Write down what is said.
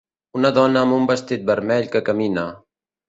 Una dona amb un vestit vermell que camina.